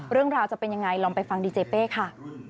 เรื่องราวจะเป็นยังไงลองไปฟังดีเจเป้ค่ะ